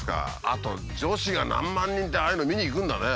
あと女子が何万人ってああいうのを見に行くんだね。